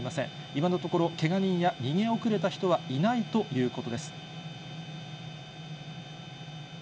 今のところ、けが人や逃げ遅れた人はいないということです。